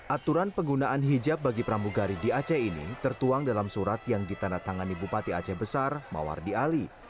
aturan penggunaan hijab bagi pramugari di aceh ini tertuang dalam surat yang ditandatangani bupati aceh besar mawardi ali